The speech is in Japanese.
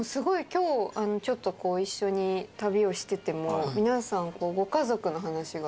今日ちょっと一緒に旅をしてても皆さんご家族の話が。